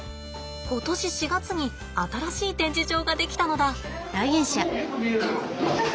今年４月に新しい展示場が出来たのだ！